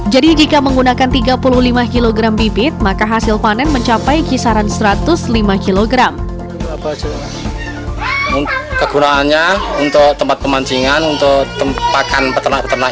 jadi jika menggunakan tiga puluh lima kg bibit tanah cacing akan berubah menjadi cacing yang lebih mudah